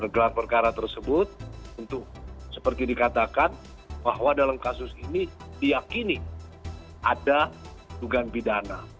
gelar berkara tersebut seperti dikatakan bahwa dalam kasus ini diakini ada dugaan bidana